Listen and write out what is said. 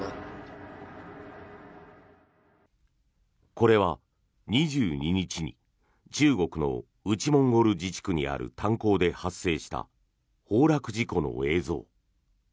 これは２２日に中国の内モンゴル自治区にある炭鉱で発生した崩落事故の映像。